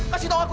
kasih tahu aku